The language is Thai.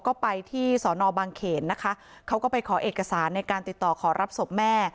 ก็ไปที่สอนอบางเขนนะคะเขาก็ไปขอเอกสารในการติดต่อขอรับศพแม่